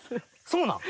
そうなん？